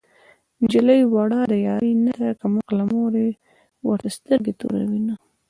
نجلۍ وړه د يارۍ نه ده کم عقله مور يې ورته سترګې توروينه